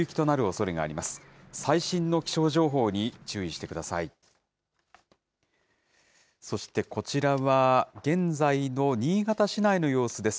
そして、こちらは現在の新潟市内の様子です。